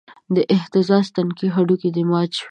د اهتزاز تنکي هډونه دې مات شوی